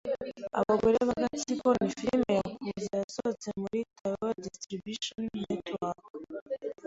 "Abagore b'Agatsiko" ni filime Yakuza yasohotse mu na Toei Distribution Network.